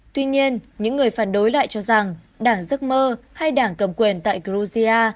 tuy nhiên những người phản đối lại cho rằng đảng giấc mơ hay đảng cầm quyền tại georgia